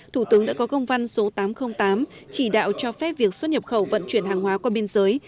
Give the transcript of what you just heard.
thủ tướng đã có công văn số tám trăm linh tám chỉ đạo cho phép việc xuất nhập khẩu vận chuyển hàng hóa qua biên giới